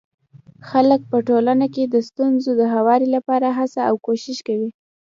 خلک په ټولنه کي د ستونزو د هواري لپاره هڅه او کوښښ کوي.